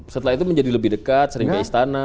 setelah itu menjadi lebih dekat sering ke istana